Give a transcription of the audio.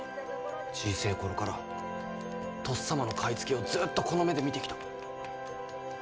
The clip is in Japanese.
ちぃせぇ頃からとっさまの買い付けをずっとこの目で見てきた。